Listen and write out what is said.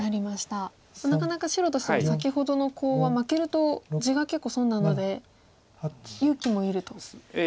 なかなか白としても先ほどのコウは負けると地が結構損なので勇気もいると。